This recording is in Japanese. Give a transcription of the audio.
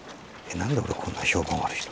何で俺こんな評判悪いの？